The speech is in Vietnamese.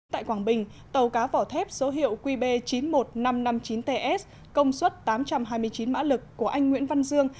tại quảng bình tàu cá vỏ thép số hiệu qb chín mươi một nghìn năm trăm năm mươi chín ts công suất tám trăm hai mươi chín mã lực của anh nguyễn văn dương